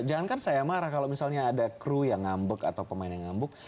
jangan kan saya marah kalau misalnya ada crew yang ngambek atau pemain yang ngambek